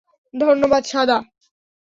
ধন্যবাদ, শাদা।